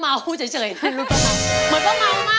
ค่าคุณสมศรีเป็นไงฮะ